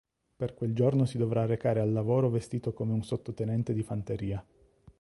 Per quel giorno si dovrà recare al lavoro vestito come un sottotenente di fanteria.